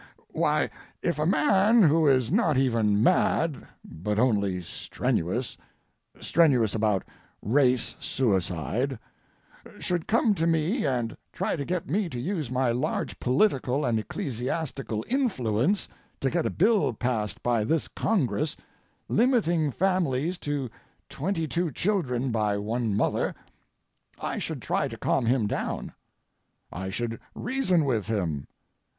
Why, if a man who is not even mad, but only strenuous—strenuous about race suicide—should come to me and try to get me to use my large political and ecclesiastical influence to get a bill passed by this Congress limiting families to twenty two children by one mother, I should try to calm him down. I should reason with him.